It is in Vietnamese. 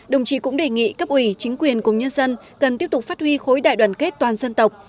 đồng chí cũng đề nghị cấp ủy chính quyền cùng nhân dân cần tiếp tục phát huy khối đại đoàn kết toàn dân tộc